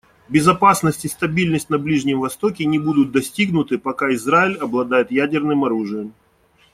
Безопасность и стабильность на Ближнем Востоке не будут достигнуты, пока Израиль обладает ядерным оружием.